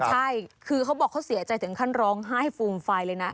ใช่คือเขาบอกเขาเสียใจถึงขั้นร้องไห้ฟูมไฟเลยนะ